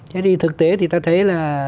thế thì thực tế thì ta thấy là